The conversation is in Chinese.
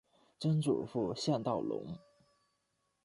曾祖父向道隆。